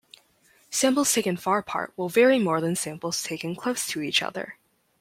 Samples taken far apart will vary more than samples taken close to each other.